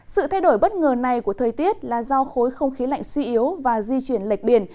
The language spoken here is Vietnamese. sự thay đổi bất ngờ này của thời tiết là do khối không khí lạnh suy yếu và di chuyển lệch biển